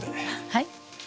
はい。